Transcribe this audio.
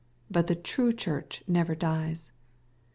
But the true Church never dies.